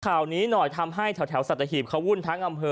ข่าวนี้หน่อยทำให้แถวสัตหีบเขาวุ่นทั้งอำเภอ